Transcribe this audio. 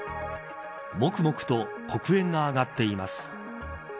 もくもくと黒煙が上がっています。